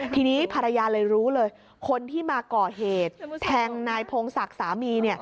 ทีนี้ภรรยาเลยรู้เลยคนที่มาก่อเหตุแทงนายพงศักดิ์สามีเนี่ย